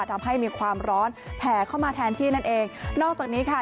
ทำให้มีความร้อนแผ่เข้ามาแทนที่นั่นเองนอกจากนี้ค่ะ